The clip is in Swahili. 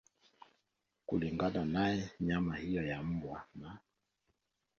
Kulingana naye nyama hiyo ya mbwa na